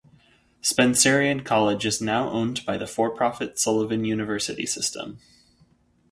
Spencerian College is now owned by the for-profit Sullivan University System.